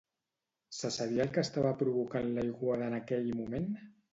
Se sabia el que estava provocant l'aiguada en aquell moment?